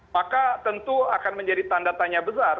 maka tentu akan menjadi tanda tanya besar